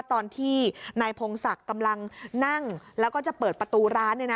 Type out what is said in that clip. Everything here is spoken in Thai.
ตอนที่นายพงศักดิ์กำลังนั่งแล้วก็จะเปิดประตูร้าน